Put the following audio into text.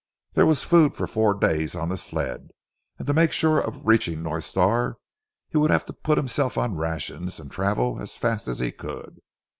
There was food for four days on the sled, and to make sure of reaching North Star, he would have to put himself on rations, and travel as fast as he could.